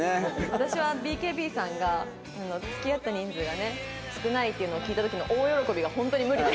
私はＢＫＢさんが付き合った人数がね少ないっていうのを聞いた時の「本当に無理で」？